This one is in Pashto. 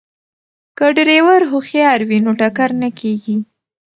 که ډریور هوښیار وي نو ټکر نه کیږي.